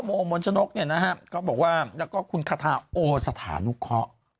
โมมนชนกเนี่ยนะฮะก็บอกว่าแล้วก็คุณคาทาโอสถานุเคาะ